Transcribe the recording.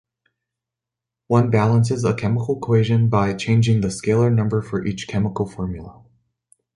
One balances a chemical equation by changing the scalar number for each chemical formula.